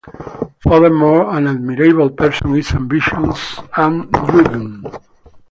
Furthermore, an admirable person is ambitious and driven.